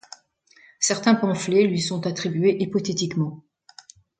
Certains pamphlets lui sont attribués hypothétiquement.